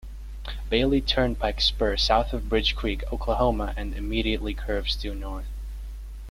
Bailey Turnpike Spur south of Bridge Creek, Oklahoma, and immediately curves due north.